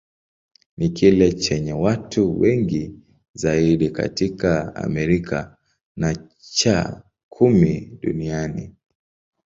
Ni kile chenye watu wengi zaidi katika Amerika, na cha kumi duniani.